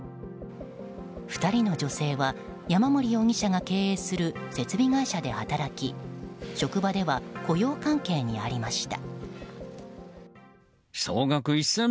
２人の女性は、山森容疑者が経営する設備会社で働き職場では雇用関係にありました。